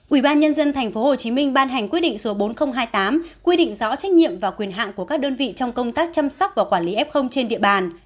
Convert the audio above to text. ủy ban nhân dân tp hcm ban hành quyết định số bốn nghìn hai mươi tám quy định rõ trách nhiệm và quyền hạn của các đơn vị trong công tác chăm sóc và quản lý f trên địa bàn